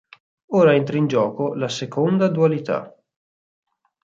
Ora entra in gioco la seconda dualità.